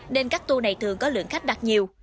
nên các tour này thường có lượng khách đặt nhiều